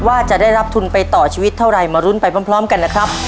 ว่าจะได้รับทุนไปต่อชีวิตเท่าไรมารุ้นไปพร้อมกันนะครับ